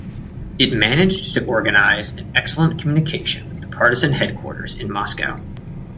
It managed to organize an excellent communication with the partisan headquarters in Moscow.